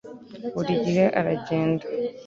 buri gihe aragenda